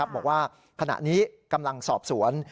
บอกว่าขณะนี้กำลังสอบสวน